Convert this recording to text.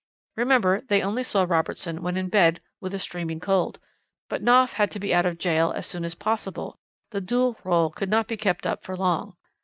Remember they only saw Robertson when in bed with a streaming cold. But Knopf had to be got out of gaol as soon as possible; the dual rôle could not have been kept up for long.